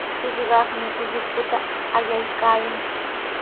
Pichqaqmi ullukuta allaykaayan.